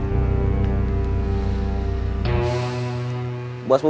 ini kira kira yang kaya